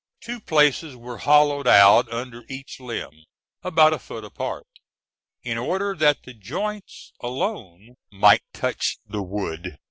Two places were hollowed out under each limb, about a foot apart, in order that the joints alone might touch the wood.